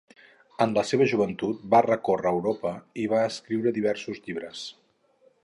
En la seva joventut va recórrer Europa i va escriure diversos llibres.